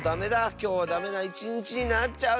きょうはダメないちにちになっちゃうよ。